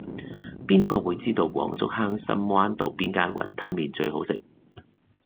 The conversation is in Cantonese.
邊個會知道黃竹坑深灣道邊間雲吞麵最好食